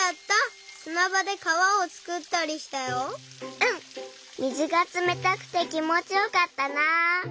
うん水がつめたくてきもちよかったな。